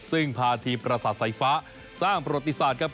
ซึ่งพาทีมประสาทสายฟ้าสร้างประวัติศาสตร์ครับ